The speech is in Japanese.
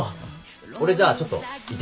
俺じゃあちょっといってきます。